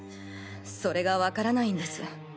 それがわからないんです。